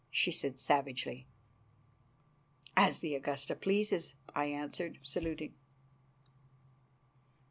she said savagely. "As the Augusta pleases," I answered, saluting.